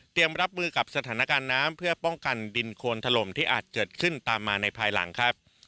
รับมือกับสถานการณ์น้ำเพื่อป้องกันดินโคนถล่มที่อาจเกิดขึ้นตามมาในภายหลังครับ